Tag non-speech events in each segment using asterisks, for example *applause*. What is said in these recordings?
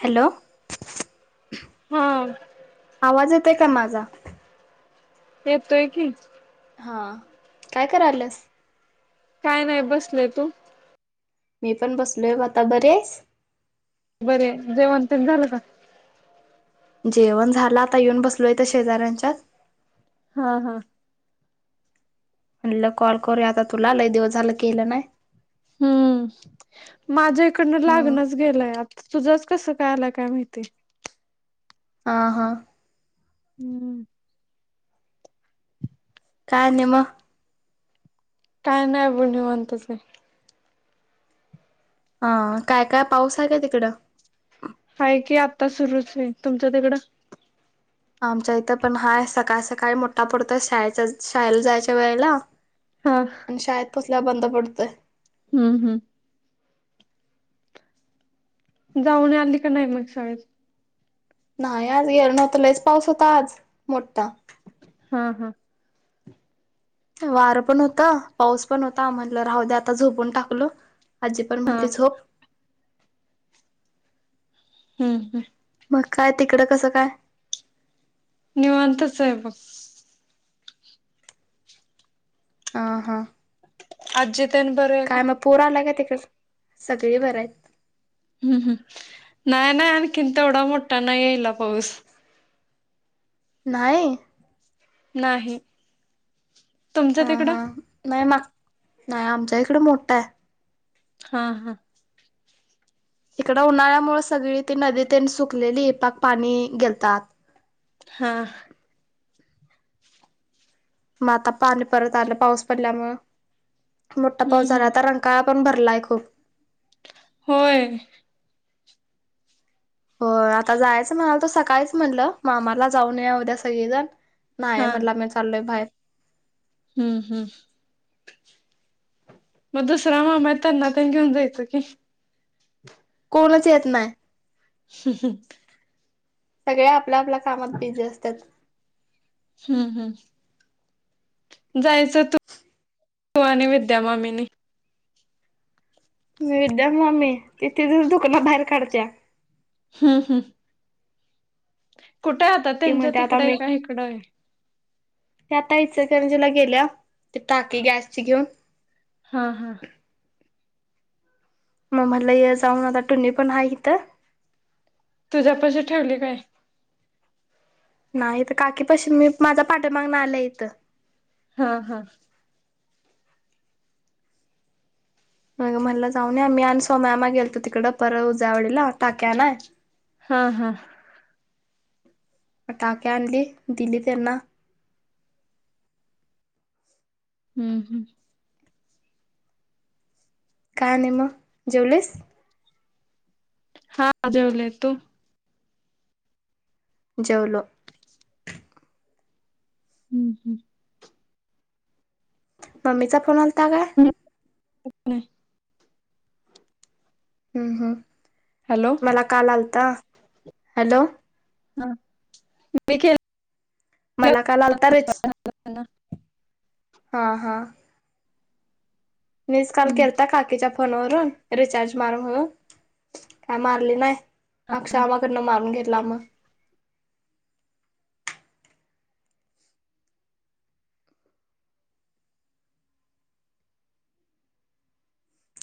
Hello हा आवाज येत आहे का माझा येतोय की हा काय करालस काय नाही बसलय तू मी पण बसलोय आता बरी आहे स बरे. आहे जेवण ते झालं का जेवण झालं आता येऊन बसलोय तर शेजऱ्यांच्यात हा हा म्हणलं कॉल करूया आता तुला ल दिव झालं केलं नाही हम्म माझ्या इकडनं हम्म लागणच गेलंय आता तुझंच कसं काय आलाय काय माहिती हा हा हम्म काय निम काय नाही बणीवनंतचे ह काय काय पाऊस आहे काय तिकडं आहे की आत्ता सुरूच आहे तुमच्या तिकडं आमच्या इथं पण हाय सकाळ सकाळी मोठा पडतोय शाळेच्या शाळेला जायच्या वेळेला हा शाळेत कसल्याला बंद पडतंय हम्म हम् जाऊन आली का नाही मग शाळेत नाही आज येरण होता लच पाऊस होता आज मोठठा हा हा वारं पण होता पाऊस पण होता म्हटलं राहू द्या आता झोपून टाकलो. आजी पण हा म्हटली झोप हम् हम मग काय तिकडं कसं काय निवंतचहेब ह हां अज तेन बर का पोरा आला का तकडे सगळी बरं आहेत. हम्म हम् नाही नाही आणखीन तेवढा मोठा नाही येला पाऊस नाहीय. नाही. तुमच्या हा तिकडं? हा नाही मग नाही आमच्या इकडे मोठा आहे. हा हा इकड उन्हाळ्यामुळे सगळी ती नदी ते सुकलेली हे पाक पाणी गेलतात हां माता पाणी परत आलं पाऊस पडल्यामु मोठा हम्म पाऊस झाला हम्म आता रंग का पण भरलाय खूप होय. हो आता जायचं म्हणाल तर सकाळीच म्हणलं मामाला जाऊनये उद्या सगळेजण नाहीय हा म्हटलं मी चालोय बाहेर हम्म हम्म मग दुसरा मा माताना त्यां घेऊन जायचं की कोणच येत नाही. ह ह. सगळे आपल्या-आपल्या कामात बिझी असतात. हम् हम्. जायच तू तू आणि विद्यामामीनी. म विद्या मम्मी तिथेचच दुकाना बाहेर काढते. हम् हम्. कुठे आता ती त्यांच्यात, म्हणते आता तिकडं आहे मी का ते इकडं आहे. आता इच करंजला गेल्या, ते टाकी गॅसची घेऊन. हा हा मग मला हे जाऊन आता, टुनी पण आहे इिथं. तुझ्यापशी ठेवली काय. नाही तर काकी पशी मी माझा, पाठमागण आलं इथं. हा हा म म्हला जाऊय आम्ही आणि स्ोम्यामाग गेलतो तिकडं, पर उज्यावडीला टाक्या ना. हम हम. पटाके आणली दिली त्यांना. हम्म हम्म. काय ने म ज्यवलस. हाझेवला तो. जेवलो. हम्म हम्. मम्मीचा फोन आलता काय. *unintelligible* हम हा. हॅलो. मला काल आलता हॅलो. हा ब. मला का लालत रेच ना हा हा. मीज काल हम्म केता काकीच्या फोनवरून रिचार्ज मारून, म्हून काय मारली नाही. अक्षय आमाकडनं, मारून घेतला आम.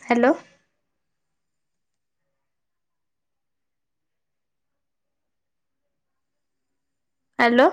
हॅलो. हॅलो.